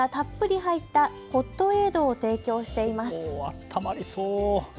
あったまりそう。